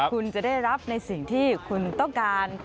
คุณจะได้รับในสิ่งที่คุณต้องการ